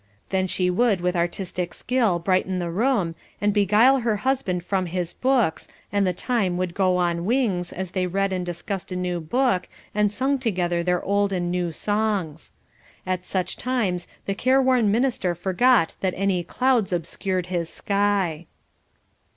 Then she would with artistic skill brighten the room, and beguile her husband from his books, and the time would go on wings, as they read and discussed a new book, and sung together their old and new songs. At such times the careworn minister forgot that any clouds obscured his sky.